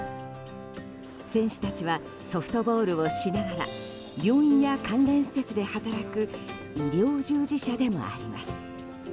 選手たちはソフトボールをしながら病院や関連施設で働く医療従事者でもあります。